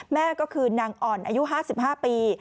แม่ก็คือนางอ่อนอายุ๕๕ปี